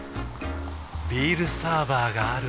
ビールサーバーがある夏。